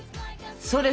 それ